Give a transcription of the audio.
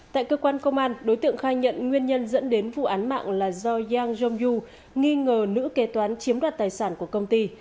tại cơ quan công an đối tượng khai nhận nguyên nhân dẫn đến vụ án mạng là do yang jong u nghi ngờ nữ kế toán chiếm đoạt tài sản của công ty